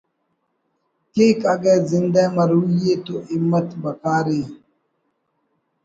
کیک اگہ زندہ مروئی ءِ تو ہمت بکار ءِ